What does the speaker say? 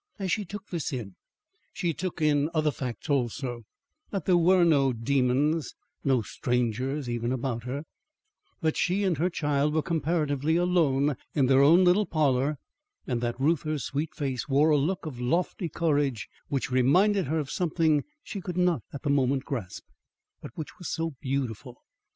As she took this in, she took in other facts also: that there were no demons, no strangers even about her: That she and her child were comparatively alone in their own little parlour, and that Reuther's sweet face wore a look of lofty courage which reminded her of something she could not at the moment grasp, but which was so beautiful.